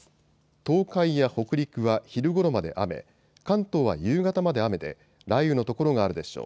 東海や北陸は昼ごろまで雨、関東は夕方まで雨で雷雨の所があるでしょう。